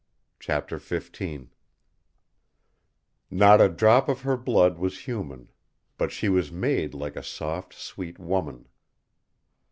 CHAPTER XV "Not a drop of her blood was human, But she was made like a soft sweet woman."